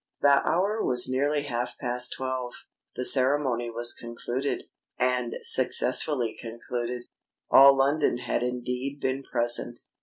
The hour was nearly half past twelve. The ceremony was concluded and successfully concluded. All London had indeed been present.